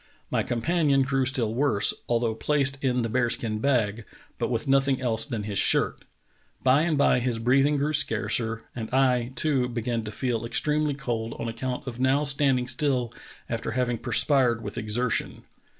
My companion grew still worse, although placed in the bear skin bag, but with nothing else than his shirt. By and by his breathing grew scarcer, and I, too, began to feel ex tremely cold on account of now standing still after having perspired with exertion.